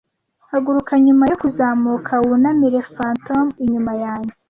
Haguruka nyuma yo kuzamuka wunamire fantom inyuma yanjye,